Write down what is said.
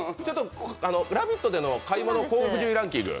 「ラヴィット！」での買い物高額順位ランキング